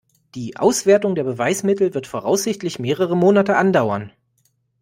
Die Auswertung der Beweismittel wird voraussichtlich mehrere Monate andauern.